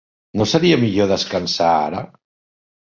No seria millor descansar, ara?